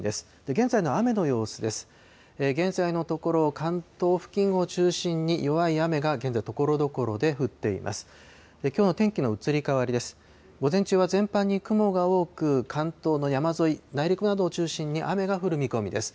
現在のところ、関東付近を中心に弱い雨が現在、ところどころで降っています。